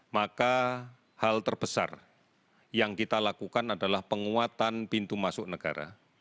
maka hal terbesar yang kita lakukan adalah penguatan pintu masuk negara